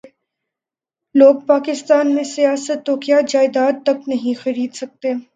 لوگ پاکستان میں سیاست تو کیا جائیداد تک نہیں خرید سکتے